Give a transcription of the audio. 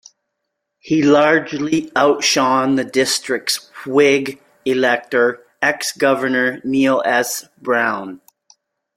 He largely outshone the district's Whig elector, ex-Governor Neill S. Brown.